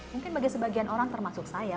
mungkin bagi sebagian orang termasuk saya